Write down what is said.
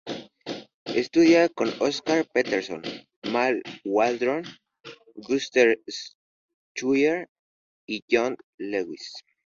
Estudia con Oscar Peterson, Mal Waldron, Gunther Schuller y John Lewis.